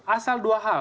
asal dua hal